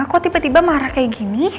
kok tiba tiba marah kayak gini